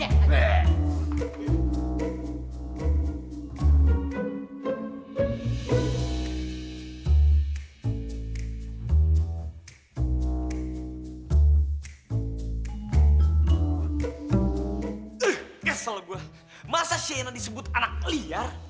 eh kesel gue masa shaina disebut anak liar